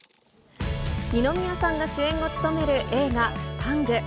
二宮さんが主演を務める映画、タング。